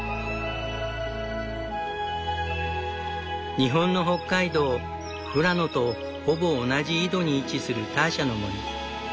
日本の北海道富良野とほぼ同じ緯度に位置するターシャの森。